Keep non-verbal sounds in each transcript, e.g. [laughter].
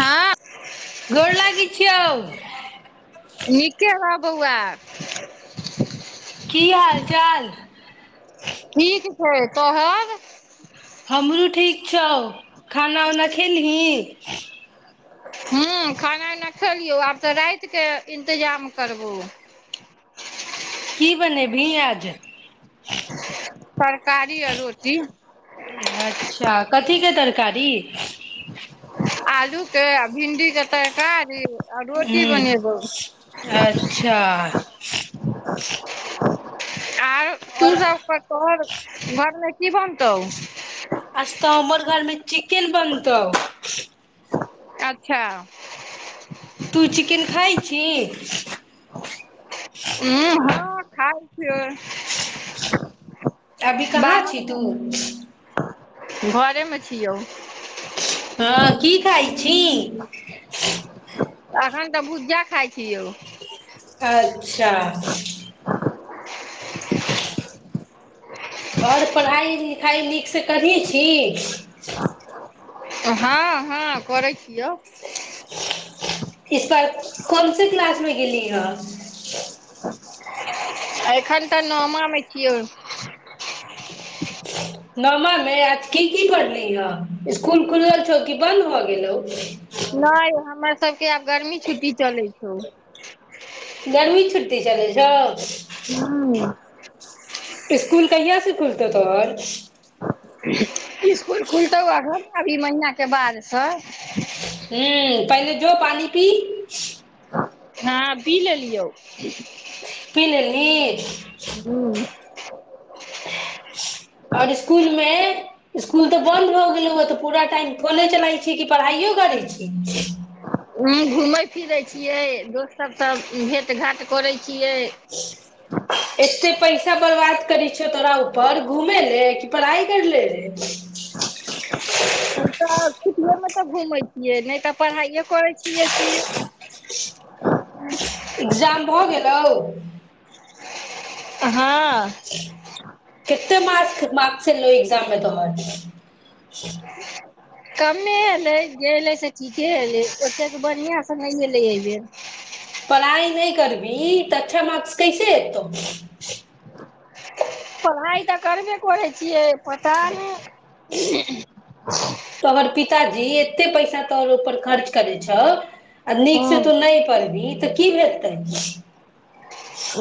हँ गोर लागय छियौ नीके रह बौआ की हाल चाल ठीक छै तोहर हमरो ठीक छौ खाना उना खेलही ह्म्म खाना उना खेलियौ आब तऽ रातिकेँ इन्तजाम करबू की बनेबिहीं आज तरकारी आ रोटी अच्छा कथी के तरकारी आलू के भिंडी के तरकारी रोटी ठीक बनेबौ अच्छा आर तू और सब कह तोहर घरमे कि बनतौ आज तऽ अमर घरमे चिकेन बनतौ अच्छा तू चिकेन खाइ छी ह फर अभी कहाँ छी तू बाहरमे घरेमे छियौ हँ की खइ अहन त भुजा खाइ छियौ अच्छा [unintelligible] आओर पढ़ाइ लिखाइ नीकसँ करी छी हँ हँ करै छियौ इसपार कोन से क्लास मे गेली हन एखन तऽ नमा छियै नौमा मे आज की की पढ़ली ह इसकुल खुजल छौ की बन्द भ गेलौ नहि हमर सबके आब गर्मी छुट्टी चलै छौ गर्मी छुट्टी छलै छौ ह इसकुल कहियास से खुलतौ तोहर इसकुल खुलतौ आ घन अभी महीनाके बादसँ हू पहिने जो पानि पी हँ पी लेलियौ पी लेलहीं आओर इसकुलमे इसकुल तऽ बन्द भऽ गेलहुँ ह तऽ पूरा टाइम फोने चलाइ छी कि पढ़ाइओ करै छी उ घूमे फिरे छीये दोस्त सब सब भेंट घाट करे एते पैसा बर्बाद बात करै छै तोरा ऊपर घूमे ले कि पढ़ाइ कर ले रहे त त [inaudible] समे तऽ घुमै छियै नहि तऽ पढ़ाइए करै छियै क एग्जाम भऽ गेल तउ हँ कते मास मार्क्स मा छलो एक्जाम मे तोहर कमे एलै गेलै से ठीके एलै ओतेक त बढ़िआँसँ नहि अलै एहि बेर पढ़ाइ नहि करबी तऽ अच्छा मार्क्स कैसे एतौ पढ़ाइ तऽ करबे करै छियै पता नहि तऽहर पिताजी कते पैसा तोहर पर खर्च करे छौ नीक से हँ तू नहि पढ़वहीं तऽ की हैतेय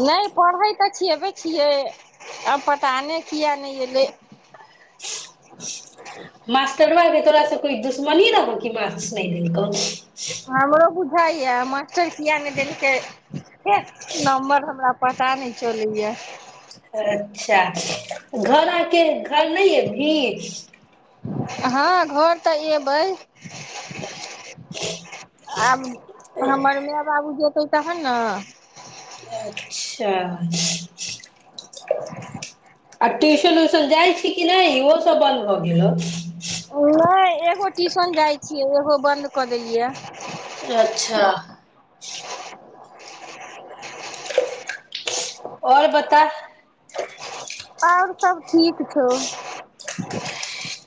नहि पढ़है तऽ छैबे छियै आब पता नहि किया नहि एलै मास्टरबा जें तोरा से कोइ दुश्मनी रहेय कि मार्क्स नहि देलकौ हाँ हमरो य मास्टर किया नहि देलकै नम्बर हमरा पता नहि चलय या अच्छा घर आके घर नहि एबीहींन हँ घर तऽ एबै आ हमर माँ बाबू जेतै तहन अच्छा [unintelligible] [unintelligible] आ ट्यूशन उ्यशन जाइ छी कि नहि इहोसभ बन्द भऽ गेलहु ह एगो ट्यूशन जाइ छियै एगो बन्द कऽ देलियै अच्छा [inaudible] आओर बता आओर सब ठीक छौ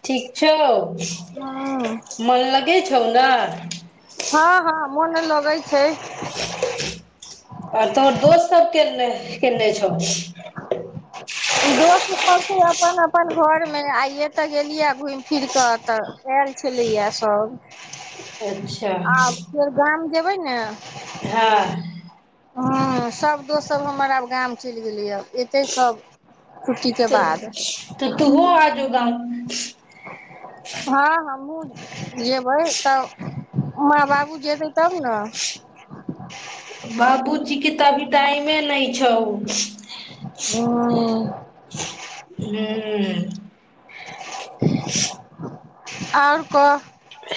ठीक हँ छो मन लगै छौ ने हँ हँ मोन लगै छै आर तोहर दोस्त सब केने केने छौ ई दोस्तसभ छै अपन अपन घरमे आइ एतऽ गेलियै घुमि फिर कऽ तऽ आयल छलैया सभ अच्छा आ फेर गाम जेयबै ने हँ हँ सभ दोस्तसभ हमर आब गाम चलि गेलैए अयतै सभ छुट्टीके त बाद तऽ तू आ होगा हँ हमहूँ जेयबै तब माँ बाबू जेतै तब ने बाबूजीे तऽभी टाइमे नहि छौ ह हू आओर कह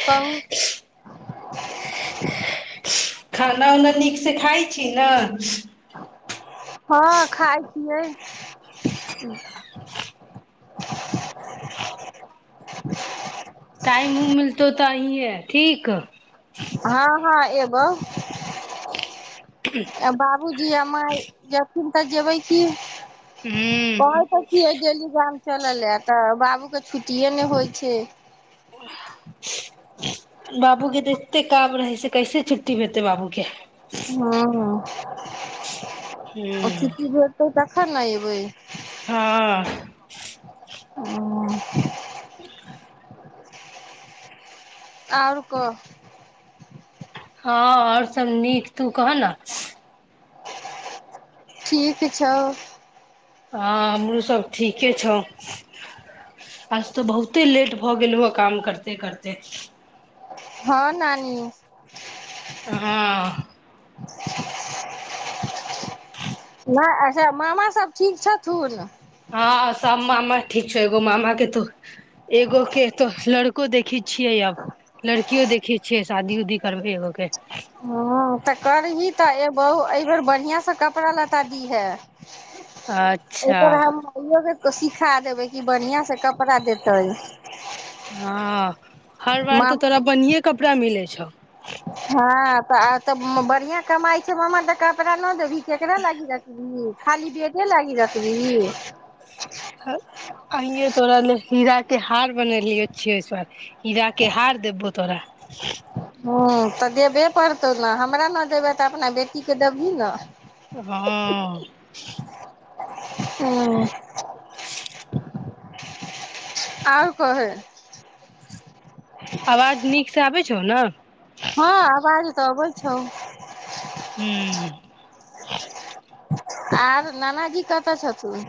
कहू खाना उना नीकसँ खाइ छी ने हँ खाइ छियै टाइम ह मिलतौ तऽ अही ह ठीक हँ हँ ए बो बाबूजी आ माय ए न तऽ जेबै की आओर कह त की गेली गाम चलल तऽ बाबू के छुट्टीे ने होइ छै ह बाबू के तऽ एते काम रहै छै कैसे छुट्टी हेतै बाबूके हँ हँ हूँ [unintelligible] ओ च की भेलतऽ त कना बै हँ ह आओर को हँ आओर सब नीक तू कहह ने ठीक छौ हँ हमरोसभ ठीके छौ आज तऽ बहुते लेट भऽ गेलहुौ काम करिते करिते हँ नानी हुँ [unintelligible] नहि अच्छा मामा सब ठीक छथुन हँ सब मामा ठीक छौ एगो मामा के तो एगो के तो लड़को देखे छियै अब लड़कियो देखे छियै शादी उदी करबै एगो के ह तऽ करही तऽ ए बहु एहि बेेर बढ़िआँसँ कपड़ा लत्ता दीहे ओ अच्छा तोरा हम खुय सिखा देबै कि बढ़िआं से कपड़ा देतै हँ हर बार तऽ तोरा मामा बढ़े कपड़ा मिले छै छौ हँ तऽ आ तऽ बढ़िआ कमाइ छै मा करा न देबी केकरा लागि रख दी खाली बेटे लागि रखबिहीं अइए तोरा लेल हीरा के हार बनेलिय छियै इस बार हीरााक के हार देबबो तोरा हूँ तऽ देबे पड़तौ ने हमरा ने देबै तऽ अपना बेटीके देबही ने हँ ह आउर कहे आवाज नीक से आबै छै छौ न हँ आवाज तऽ अबै छौ हुँ आर नानाजी कतऽ छथुन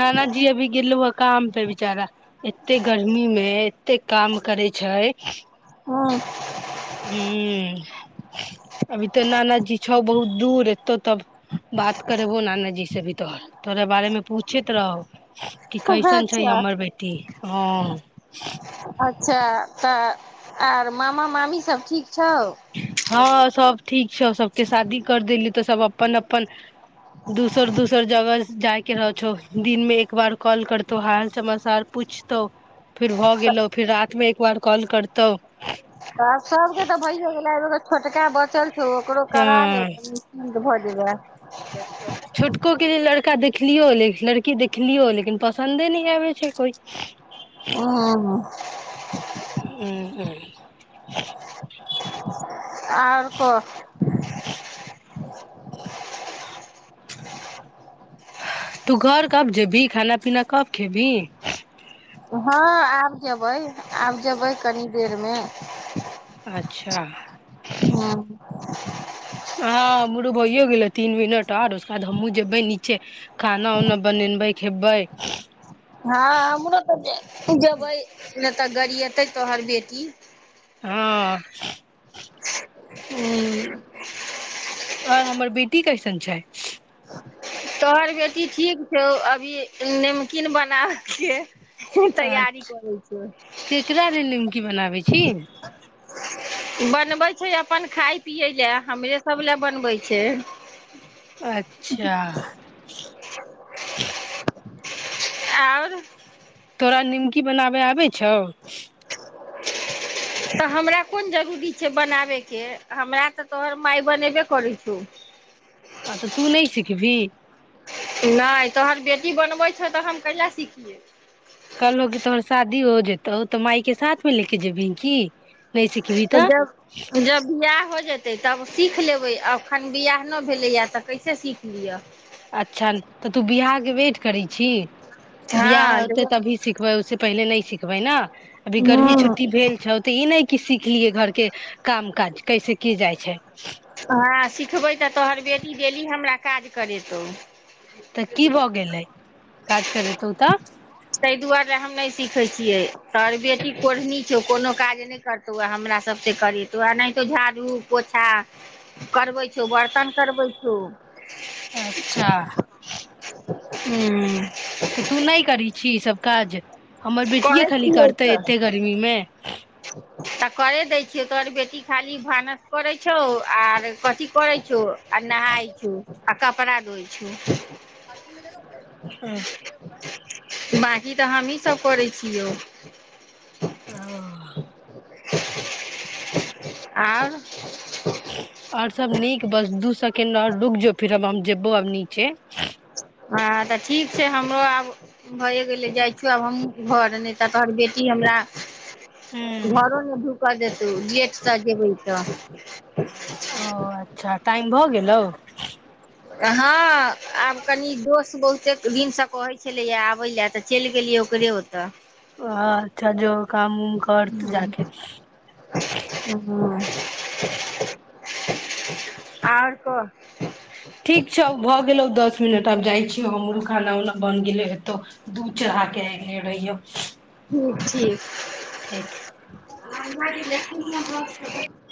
नाना जी अभी गेलोया काम पे बिचारा एते गर्मी मे कते काम करै छै हुँ हुँ अभी तऽ नानाजी छौ बहुत दूर तो तब बात करेबो नाना जी से भी तोहर तोरा बारेमे पूछैत रहौ कि कैसन छै अच्छा हमर बेटी हँ अच्छा तऽ आर मामा मामी सब ठीक छौ हँ सब ठीक छौ सबके शादी कर देली तु सब अपन अपन दूसर दूसर जगह जायके रह छौ दिनमे एक बार कॉल करतौ हाल समाचार पूछतौ फिर भऽ गेलो फिर रात मे एक वार कॉल करतौ आ सबके तऽ भइ छोटका ब चल ओकरो करा ले हँ किय छोटको के जे लड़का देखलियो हन देख लड़की देखलियौ लेकिन पसन्दे नहि आबै छै कोइ ह आ आओर कह उ [inaudible] [inaudible] तू घर कब जेबी खाना पीना कब खेबी हँ आब जबै आब जबै कनि देरमे अच्छा हँ आ मरू भइयो गेले तीन मिनट आर उसके बाद हमहूँ जेबै नीचे खाना उना बनेबै खेबै हँ हमर तऽ पूजा भइ तऽ गड़ एतै तो हर बेटी हँ ह आओर हमर बेटी कैसन छै तोहर बेटी ठीक छौ अभी नमकीन बना अच्छा केकरा दिन नीमकी बना बनाबै छी बनबै छै अपन खाय पियै लए हमरे सभ लए बनबै छै अच्छा [unintelligible] आओर तोरा निमकी बनाबे आबै छौ तऽ हमरा कोन जरूरी छै बनाबयके हमरा तऽ तोहर माय बनेबे करै छौ आ तऽ तू नहि सिख भी नहि तोहर बेटी बनबै छौ तऽ हम कहिआा सिखियै कल हो की तोहर शादी हो जेतै तऽ ओ तऽ मााय के साथ मे ले के जेबिं की नहि सिखबही त तऽ जब जाय हो जेतै तब सीख लेबै अखन बियहनो भेलैय तऽ कैसे सीख लिअ अच्छा तऽ तू बियाहके वेट करै छी बियाह हँ होते तभी सिखबै उे पहिले नी सीखबै देखबै ने अभी गर्मी छुट्टी भेल छौ तऽ ई नहि की सिखलियै घरके काम काज कैसे की जाइ छै हँ सिखबै तऽ तोहर बेटी डेली हमरा काज करेतहु तऽ की भऽ गेलै काज करेतौ तऽ ताहि दुआरे हम नहि सीखै छियै तोहर बेटी कोढ़नी छौ कोनो काज नहि करतौ व हमरा सभ त करेतौनाहितो झाड़ू पोछा करबै छौ बर्तन करबै छौ अच्छा हुँ तऽ तू नहि करी छीह ईसभ काज हमर बेटिे करै खाली छियै करतै तऽ एते गर्मी मे [unintelligible] तऽ करे दैत छियौ तोहर बेटी खाली भानस करैत छौ आर कथी करैत छौ आ नहााय छौ आ कपड़ा धोइ छौ हुँ बाँकी तऽ हमहीँ सभ करै छियौ हाँ अ आओर ओर सब नीक बस दू सेकेंड जो फिरब हम जेब आब नीचे हँ तऽ ठीक छै हमरो आब भऽ गेलै जाइ छी आब हमहूँ घर नहि तऽ तोहर बेटी हमरा हूँ घरो ने ढूक देतौ गेट द जेबै [inaudible] ओ अच्छा टाइम भऽ गेलौ [inaudible] हँ आब कनि दोस बहुत कतेक दिनसँ कहै छलैया आबै लए तऽ चलि गेलियै ओकरे ओतऽ अच्छा जो काम उम करत जाके हँ आओर कह हुँ आब जाइ छी हमहूँ खाना उना बनि गेलैए एतौ दूध चढ़ा कऽ आबि गेल रहियौ। पूछीय ठीक [unintelligible]